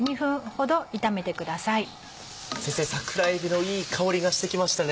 先生桜えびのいい香りがしてきましたね。